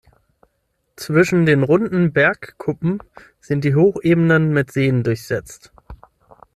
Zwischen den runden Bergkuppen sind die Hochebenen mit Seen durchsetzt.